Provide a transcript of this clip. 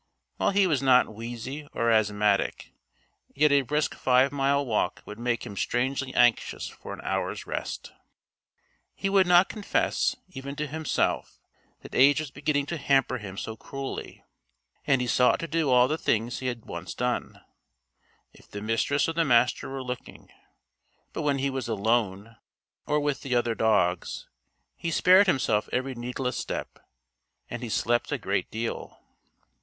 While he was not wheezy or asthmatic, yet a brisk five mile walk would make him strangely anxious for an hour's rest. He would not confess, even to himself, that age was beginning to hamper him so cruelly. And he sought to do all the things he had once done if the Mistress or the Master were looking. But when he was alone, or with the other dogs, he spared himself every needless step. And he slept a great deal.